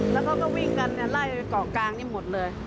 แล้วเขาก็วิ่งกันไล่ไปเกาะกลางนี่หมดเลย